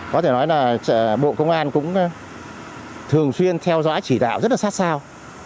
có thể nói là bộ công an cũng thường xuyên theo dõi chỉ đạo rất là sát sao